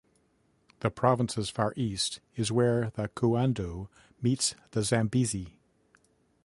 The province's far east is where the Cuando meets the Zambezi.